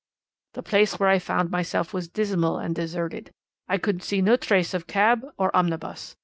"'The place where I found myself was dismal and deserted. I could see no trace of cab or omnibus.